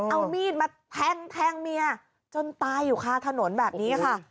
เอามีดมาแทงแทงเมียจนตายอยู่คาถนนแบบนี้ค่ะ